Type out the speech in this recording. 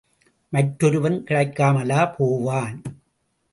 மற்றொருவன் கிடைக்காமலா போவான்.